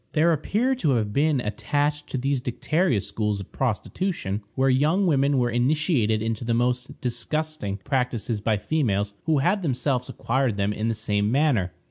There appear to have been attached to these dicteria schools of prostitution, where young women were initiated into the most disgusting practices by females who had themselves acquired them in the same manner.